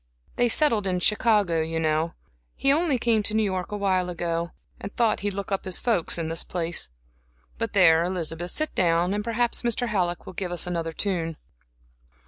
They settled in Chicago, you know. He only came to New York awhile ago, and thought he'd look up his folks in this place. But there, Elizabeth, sit down, and perhaps Mr. Halleck will give us another tune."